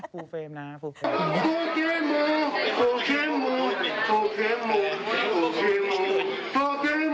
ผู้เฟรมน่ะผู้เฟรม